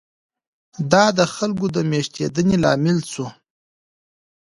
دا د خلکو د مېشتېدنې لامل شو.